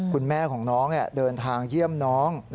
คุณแม่ของน้องเดินทางเยี่ยมน้อง